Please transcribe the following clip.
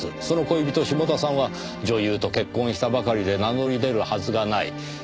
その恋人志茂田さんは女優と結婚したばかりで名乗り出るはずがない。